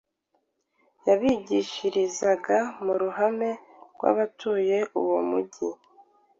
yabigishiriza mu ruhame rw’abatuye uwo mujyi.